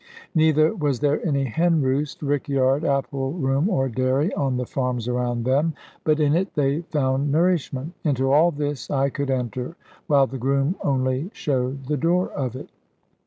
Neither was there any hen roost, rick yard, apple room, or dairy, on the farms around them, but in it they found nourishment. Into all this I could enter, while the groom only showed the door of it.